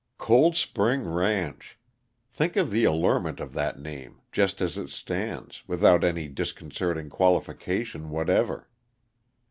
Cold Spring Ranch! Think of the allurement of that name, just as it stands, without any disconcerting qualification whatever!